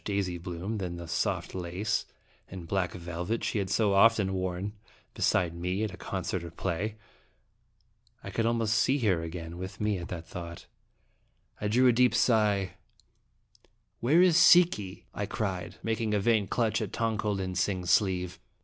daisy bloom than the soft laces and black velvet she had so often worn beside me at concert or play. I could almost see her again with me at the thought. i26 I)e ^Dramatic in I drew a deep sigh. " Where is Si ki?" I cried, making a vain clutch at Tong ko lin sing's sleeve.